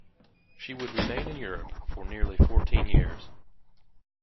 She would remain in Europe for nearly fourteen years.